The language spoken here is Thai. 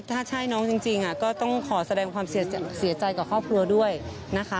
ถ้าใช่น้องจริงก็ต้องขอแสดงความเสียใจกับครอบครัวด้วยนะคะ